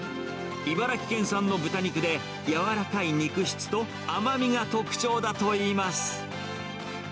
茨城県産の豚肉で、柔らかい肉質と甘みが特徴だといいます。